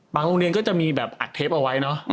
โรงเรียนก็จะมีแบบอัดเทปเอาไว้เนอะ